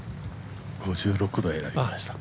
５６度を選びました。